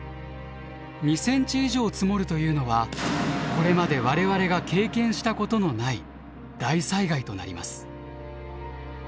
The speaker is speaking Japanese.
２ｃｍ以上積もるというのはこれまで我々が経験したことのない大災害となります。